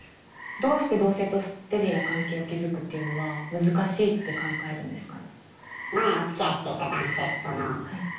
どうして同性とステディーな関係を築くっていうのは難しいって考えるんですかね？